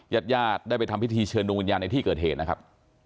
ญาติญาติได้ไปทำพิธีเชิญดวงวิญญาณในที่เกิดเหตุนะครับ